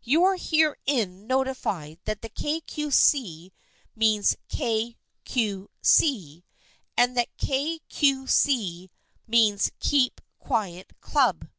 You are herein notified that Kay Cue See means K. Q. C. and that K. Q. C. means Keep Quiet Club.